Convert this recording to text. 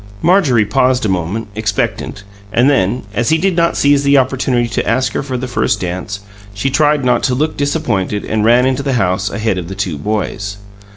Marjorie paused a moment, expectant, and then, as he did not seize the opportunity to ask her for the first dance, she tried not to look disappointed and ran into the house ahead of the two boys.